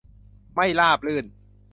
ไม่ราบรื่น